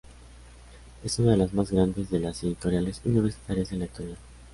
Es una de las más grandes de las editoriales universitarias en la actualidad.